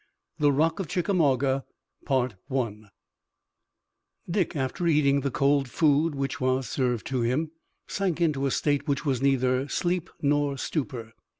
THE ROCK OF CHICKAMAUGA Dick, after eating the cold food which was served to him, sank into a state which was neither sleep nor stupor.